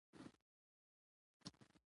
په شنو باغونو کې ناسته ولاړه د زړه درد دوا ده.